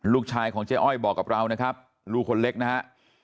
ลูกชายของเจ๊อ้อยบอกกับเรานะครับลูกคนเล็กนะฮะ